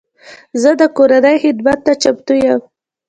زه د کورنۍ خدمت ته چمتو یم.